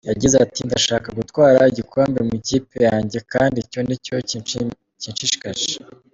Yagize ati: "Ndashaka gutwara igikombe mu ikipe yanjye kandi icyo ni cyo kinshishikaje".